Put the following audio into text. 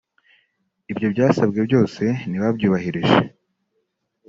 Ibyo basabwe byose ntibabyubahirije